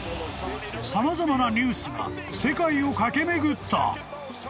様々なニュースが世界を駆け巡った］